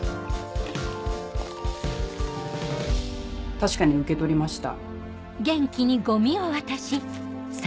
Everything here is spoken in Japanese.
確かに受け取りました。